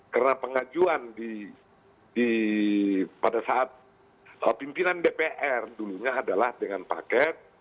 karena pengajuan pada saat pimpinan dpr dulunya adalah dengan paket